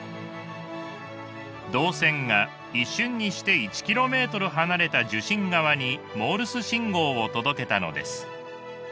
銅線が一瞬にして１キロメートル離れた受信側にモールス信号を届けたのです。